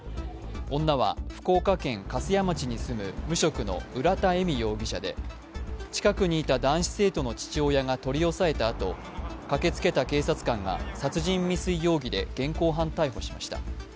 女は福岡県粕屋町に住む無職の浦田恵美容疑者で、近くにいた男子生徒の父親が取り押さえた後、駆けつけた警察官が殺人未遂容疑で現行犯逮捕しました。